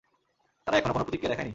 তারা এখনো কোনো প্রতিক্রিয়া দেখায়নি।